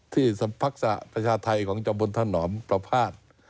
ที่ภักษะประชาไทยของจำบุญท่านหนอมประพาท